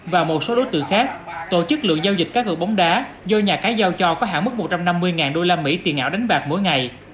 và một số đối tượng khác tổ chức lượng giao dịch cá gợi bóng đá do nhà cá giao cho có hạn mức một trăm năm mươi usd tiền ảo đánh bạc mỗi ngày